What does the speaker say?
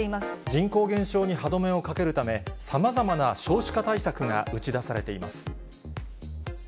人口減少に歯止めをかけるため、さまざまな少子化対策が打ち出されています。